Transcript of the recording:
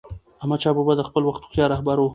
احمدشاه بابا د خپل وخت هوښیار رهبر و.